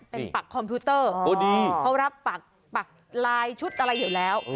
เป็นปักคอมพิวเตอร์เขารับปักลายชุดอะไรอยู่แล้ว